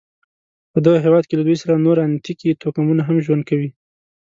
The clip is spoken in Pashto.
په دغه هېواد کې له دوی سره نور اتنیکي توکمونه هم ژوند کوي.